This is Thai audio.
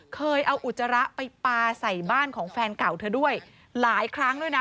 เคยเอาอุจจาระไปปลาใส่บ้านของแฟนเก่าเธอด้วยหลายครั้งด้วยนะ